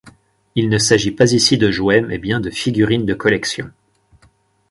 Il ne s'agit pas ici de jouets mais bien de figurines de collection.